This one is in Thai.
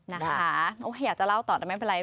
นะคะอยากจะเล่าต่อแต่ไม่เป็นไร